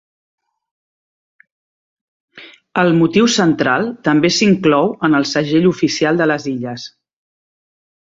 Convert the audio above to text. El motiu central també s'inclou en el Segell oficial de les illes.